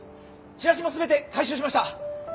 チラシも全て回収しました。